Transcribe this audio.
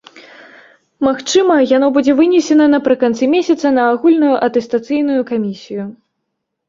Магчыма, яно будзе вынесена напрыканцы месяца на агульную атэстацыйную камісію.